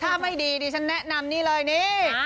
ถ้าไม่ดีดิฉันแนะนำนี่เลยนี่